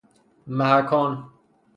محکان